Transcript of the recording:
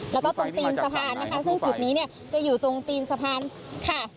แล้วก็ตรงตีนสะพานนะคะซึ่งจุดนี้เนี่ยจะอยู่ตรงตีนสะพานค่ะ